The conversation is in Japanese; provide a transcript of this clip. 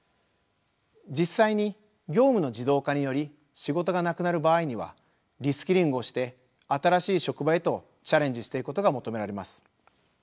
実際に業務の自動化により仕事がなくなる場合にはリスキリングをして新しい職場へとチャレンジしていくことが求められます。